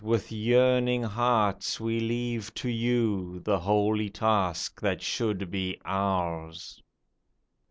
With yearning hearts we leave to you The holy task that should be ours